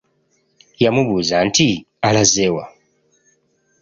Yamubuuza nti: Alaze wa?